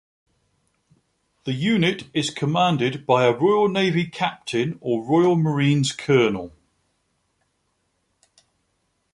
The unit is commanded by a Royal Navy Captain or Royal Marines Colonel.